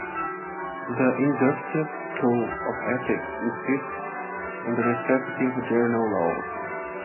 The inductive school of ethics insists on the necessity of general laws.